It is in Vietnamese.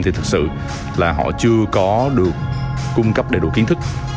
thì thực sự là họ chưa có được cung cấp đầy đủ kiến thức